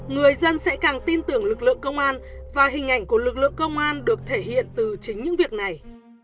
người dân sẽ càng tin tưởng lực lượng công an và hình ảnh của lực lượng công an được thể hiện từ chính những việc này